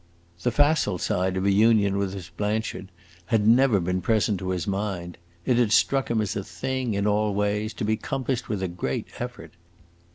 The facile side of a union with Miss Blanchard had never been present to his mind; it had struck him as a thing, in all ways, to be compassed with a great effort.